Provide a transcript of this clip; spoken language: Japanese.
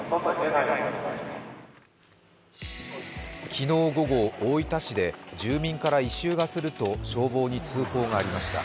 昨日午後、大分市で住民から異臭がすると消防に通報がありました。